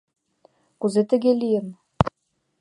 Кузе тыге лийын?